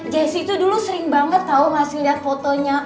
jessy itu dulu sering banget tau masih liat fotonya